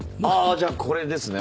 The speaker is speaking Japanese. じゃあこれですね。